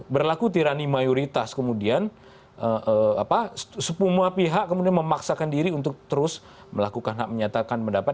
berlaku tirani mayoritas kemudian semua pihak kemudian memaksakan diri untuk terus melakukan hak menyatakan pendapat